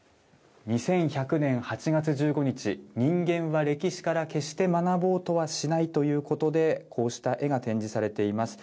２１００年８月１５日、人間は歴史から決して学ぼうとはしないということで、こうした絵が展示されています。